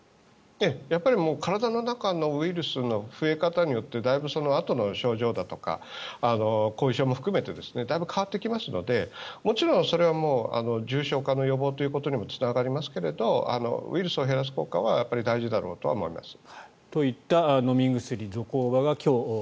やっぱり体の中のウイルスの増え方によってだいぶ、あとの症状だとか後遺症も含めてだいぶ変わってきますのでもちろんそれは重症化の予防ということにもつながりますがウイルスを減らす効果は大事だろうと思います。